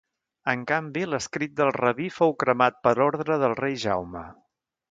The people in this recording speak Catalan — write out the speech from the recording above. En canvi, l'escrit del rabí fou cremat per ordre del rei Jaume.